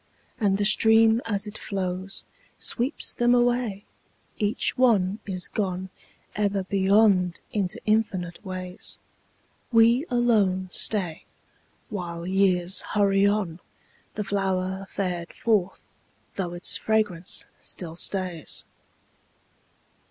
And the stream as it flows Sweeps them away, Each one is gone Ever beyond into infinite ways. We alone stay While years hurry on, The flower fared forth, though its fragrance still stays.